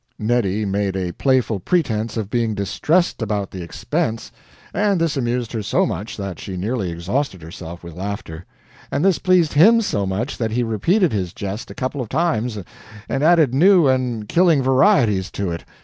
Neddy made a playful pretense of being distressed about the expense, and this amused her so much that she nearly exhausted herself with laughter and this pleased HIM so much that he repeated his jest a couple of times, and added new and killing varieties to it.